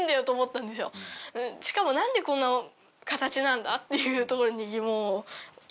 しかも何でこんな形なんだ？っていうところに。